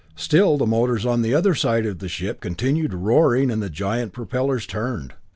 Still the motors on the other side of the ship continued roaring and the giant propellers turned.